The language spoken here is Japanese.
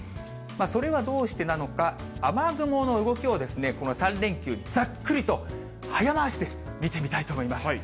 それはどうしてなのか、雨雲の動きをこの３連休、ざっくりと早回しで見てみたいと思います。